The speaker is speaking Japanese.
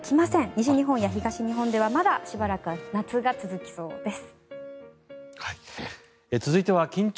西日本や東日本ではまだしばらく夏が続きそうです。